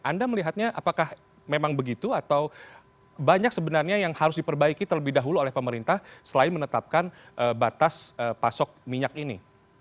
anda melihatnya apakah memang begitu atau banyak sebenarnya yang harus diperbaiki terlebih dahulu oleh pemerintah selain menetapkan batas pasok minyak ini